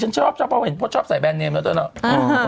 ฉันชอบเพราะเห็นพลดชอบใส่แบนเนมเรื่องต้นต้น